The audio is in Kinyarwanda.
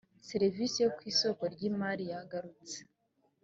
serivisi yo ku isoko ry imariyagarutse